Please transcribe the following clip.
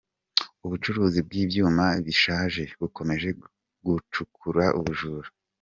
Ubucuruzi bw’ibyuma bishaje bukomeje gukurura ubujura